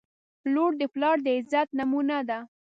• لور د پلار د عزت نمونه ده.